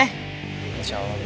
insya allah be